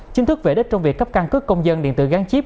chính thức về đích trong việc cấp căn cước công dân điện tử gắn chip